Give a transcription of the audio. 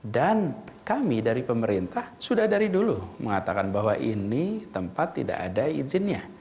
dan kami dari pemerintah sudah dari dulu mengatakan bahwa ini tempat tidak ada izinnya